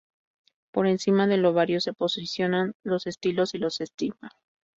Por encima del ovario se posicionan los estilos y los estigmas.